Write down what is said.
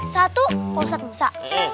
satu bu ustadz musa